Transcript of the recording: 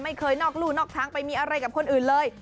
ไม่เคยนอกลู่นอกทางไปมีอะไรกับคนอื่นเลย